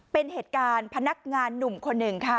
เป็นเหตุการณ์พนักงานหนุ่มคนหนึ่งค่ะ